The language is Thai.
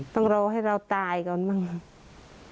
ต้องรอให้เราตายก่อนบ้างครับ